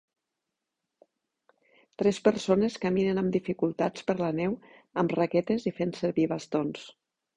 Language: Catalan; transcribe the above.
Tres persones caminen amb dificultats per la neu amb raquetes i fent servir bastons.